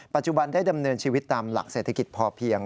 ปัจจุบันได้ดำเนินชีวิตตามหลักเศรษฐกิจพอเพียง